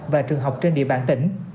và trường học trên địa bàn tỉnh